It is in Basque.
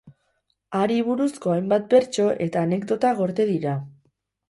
Hari buruzko hainbat bertso eta anekdota gorde dira.